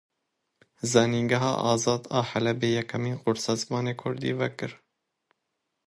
Zanîngeha Azad a Helebê yekemîn kursa Zimanê Kurdî vekir.